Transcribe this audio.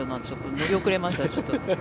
乗り遅れました。